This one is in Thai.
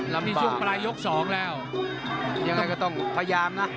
เรามีช่วงปลายยกสองแล้วยังไงก็ต้องพยายามนะ